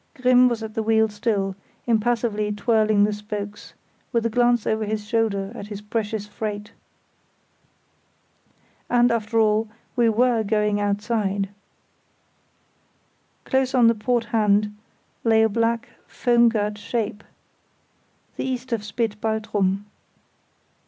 Grimm was at the wheel still, impassively twirling the spokes, with a glance over his shoulder at his precious freight. And, after all, we were going outside. Close on the port hand lay a black foam girt shape, the east spit of Baltrum.